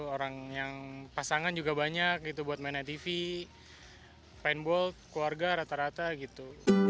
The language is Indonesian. orang yang pasangan juga banyak buat main net tv paintball keluarga rata rata gitu